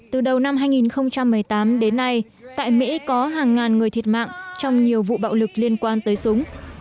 từ đầu năm hai nghìn một mươi tám đến nay tại mỹ có hàng ngàn người thiệt mạng trong nhiều vụ bạo lực liên quan tới súng